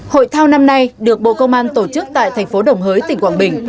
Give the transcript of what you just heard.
hội thao năm nay được bộ công an tổ chức tại thành phố đồng hới tỉnh quảng bình